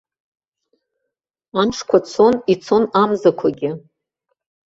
Амшқәа цон, ицон амзақәагьы.